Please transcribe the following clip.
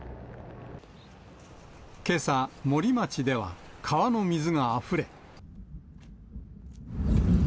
けさ、森町では川の水があふれ。